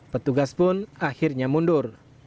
petugas pun akhirnya mundur